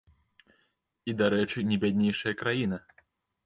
І, дарэчы, не бяднейшая краіна!